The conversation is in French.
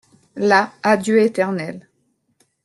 Là adieu éternel.